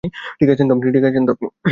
ঠিক আছেন তো আপনি?